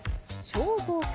正蔵さん。